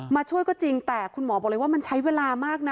ช่วยก็จริงแต่คุณหมอบอกเลยว่ามันใช้เวลามากนะ